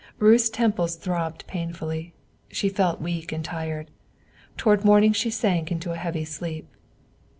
Ruth's temples throbbed painfully; she felt weak and tired; toward morning she sank into a heavy sleep.